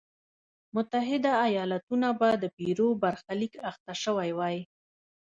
متحده ایالتونه به د پیرو برخلیک اخته شوی وای.